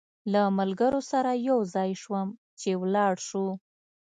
له ملګرو سره یو ځای شوم چې ولاړ شو.